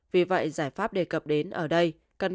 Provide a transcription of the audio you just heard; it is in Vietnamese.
vì vậy giải pháp đề cập đến ở đây